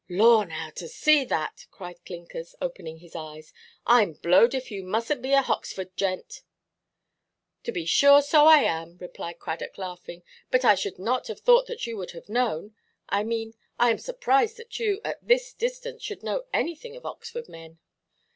"Lor, now, to see that!" cried Clinkers, opening his eyes; "Iʼm blowed if you mustnʼt be a Hoxford gent." "To be sure, so I am," replied Cradock, laughing; "but I should not have thought that you would have known—I mean, I am surprised that you, at this distance, should know anything of Oxford men."